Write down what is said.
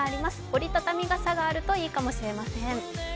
折り畳み傘があるといいかもしれません。